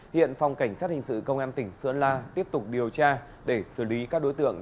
hiện phòng cảnh sát hình sự công an tỉnh sơn la tiếp tục điều tra để xử lý các đối tượng